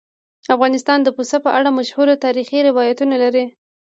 افغانستان د پسه په اړه مشهور تاریخی روایتونه لري.